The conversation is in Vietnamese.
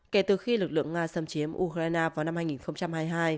kể từ khi lực lượng nga xâm chiếm ukraine vào năm hai nghìn hai mươi hai